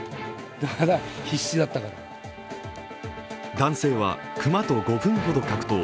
男性は熊と５分ほど格闘。